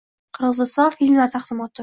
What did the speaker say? Qirg‘iziston filmlari taqdimoti